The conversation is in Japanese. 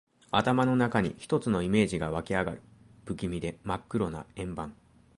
頭の中に一つのイメージが湧きあがる。不気味で真っ黒な円盤。